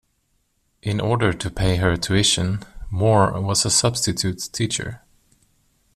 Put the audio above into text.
In order to pay her tuition, Moore was a substitute teacher.